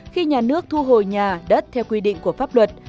khi nhà nước thu hồi nhà đất theo quy định của pháp luật